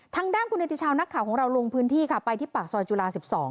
ทางด้านคุณเนติชาวนักข่าวของเราลงพื้นที่ค่ะไปที่ปากซอยจุฬา๑๒